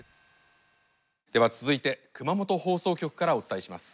では、続いて熊本放送局からお伝えします。